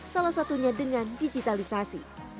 salah satunya dengan digitalisasi